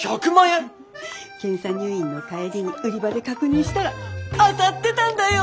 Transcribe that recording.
検査入院の帰りに売り場で確認したら当たってたんだよ。